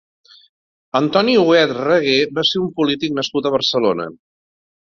Antoni Huguet Regué va ser un polític nascut a Barcelona.